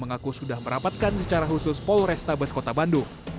mengaku sudah merapatkan secara khusus polrestabes kota bandung